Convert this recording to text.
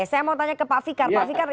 saya mau tanya ke pak fikar